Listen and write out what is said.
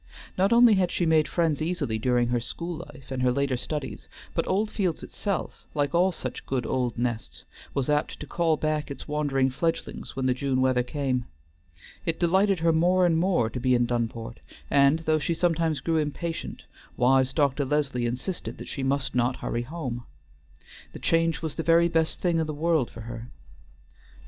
Not only had she made friends easily during her school life and her later studies, but Oldfields itself, like all such good old nests, was apt to call back its wandering fledglings when the June weather came. It delighted her more and more to be in Dunport, and though she sometimes grew impatient, wise Dr. Leslie insisted that she must not hurry home. The change was the very best thing in the world for her. Dr.